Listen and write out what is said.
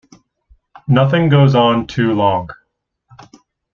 Nothing goes on too long.